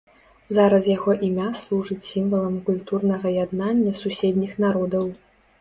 Зараз яго імя служыць сімвалам культурнага яднання суседніх народаў.